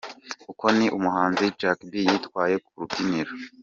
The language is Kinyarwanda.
Uko ni umuhanzi Jack B yitwaye ku rubyiniro.